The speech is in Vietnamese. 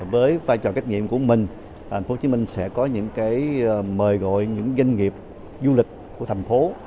với vai trò kết nghiệm của mình tp hcm sẽ có những mời gọi những doanh nghiệp du lịch của thành phố